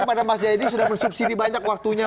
kepada mas jayadi sudah mensubsidi banyak waktunya